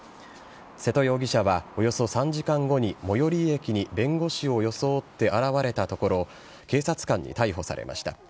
瀬戸容疑者はおよそ３時間後に最寄り駅に弁護士を装って現れたところ警察官に逮捕されました。